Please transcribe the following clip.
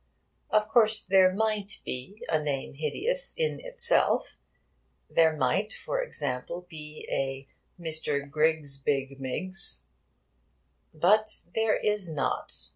Of course, there might be a name hideous in itself. There might, for example, be a Mr. Griggsbiggmiggs. But there is not.